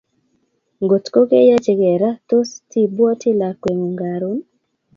Ngotko keyochikei ra, tos tibwoti lakwengung Karon?